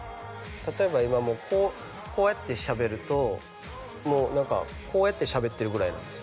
例えば今もうこうやってしゃべるともう何かこうやってしゃべってるぐらいなんです